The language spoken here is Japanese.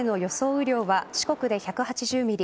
雨量は四国で１８０ｍｍ